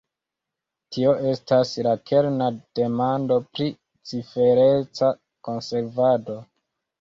Tio estas la kerna demando pri cifereca konservado.